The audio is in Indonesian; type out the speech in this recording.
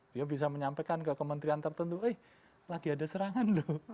dia bisa menyampaikan ke kementerian tertentu eh lagi ada serangan loh